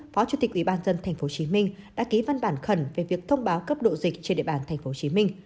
phó chủ tịch ubnd tp hcm đã ký văn bản khẩn về việc thông báo cấp độ dịch trên địa bàn tp hcm